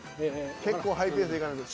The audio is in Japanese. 結構ハイペースでいかないと。